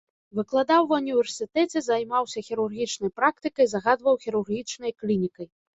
Выкладаў ва ўніверсітэце, займаўся хірургічнай практыкай, загадваў хірургічнай клінікай.